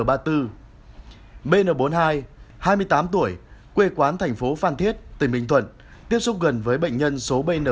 bn bốn mươi hai hai mươi tám tuổi quê quán thành phố phan thiết tỉnh bình thuận tiếp xúc gần với bệnh nhân số bn ba mươi bốn